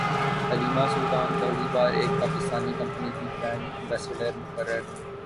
Halima Sultan پہلی بار ایک پاکستانی کمپنی کی برانڈ ایمبیسڈر مقرر